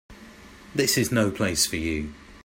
This is no place for you.